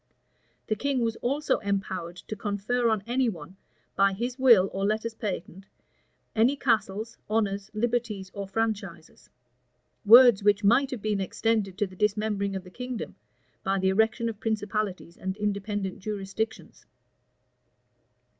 The king was also empowered to confer on any one, by his will or letters patent, any castles, honors, liberties, or franchises; words which might have been extended to the dismembering of the kingdom, by the erection of principalities and independent jurisdictions.